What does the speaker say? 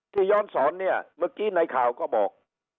ย้อนสอนเนี่ยเมื่อกี้ในข่าวก็บอก